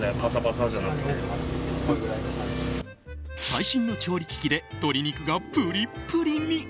最新の調理機器で鶏肉がプリップリに。